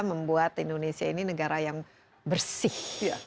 membuat indonesia ini negara yang bersih